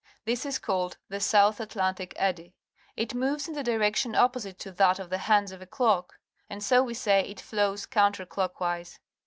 This is called the South Atlantic Eddy. It moves in the direction opposite to that of the hands of a clock, and so we say it flows counter clockwise.